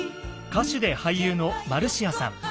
歌手で俳優のマルシアさん。